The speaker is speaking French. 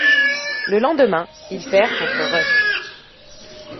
Le lendemain, il perd contre Rush.